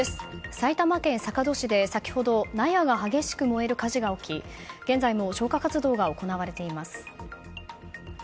埼玉県坂戸市で先ほど納屋が激しく燃える火事が起き現在も消火活動が行われています。